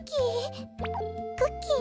クッキー？